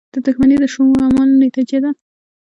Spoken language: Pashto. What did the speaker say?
• دښمني د شومو اعمالو نتیجه ده.